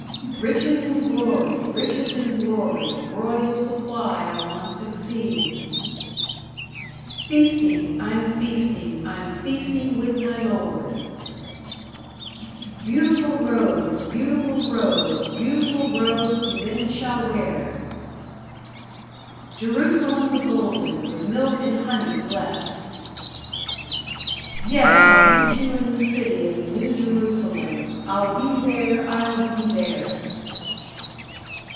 Riches in glory, riches in glory, Royal supply our wants exceed! Feasting, I'm feasting, I'm feasting with my Lord! Beautiful robes, beautiful robes, Beautiful robes we then shall wear! Jerusalem the golden, With milk and honey blest! Yes, I'll meet you in the city of the New Jerusalem, I'll be there, I'll be there!